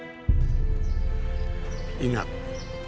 ini adalah hal yang harus diperlukan